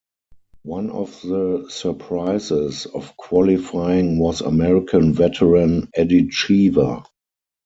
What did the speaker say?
One of the surprises of qualifying was American veteran Eddie Cheever.